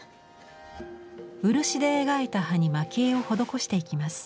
漆で描いた葉に蒔絵を施していきます。